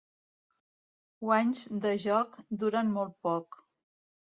Guanys de joc duren molt poc.